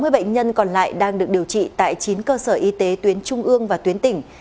sáu mươi bệnh nhân còn lại đang được điều trị tại chín cơ sở y tế tuyến trung ương và tuyến tỉnh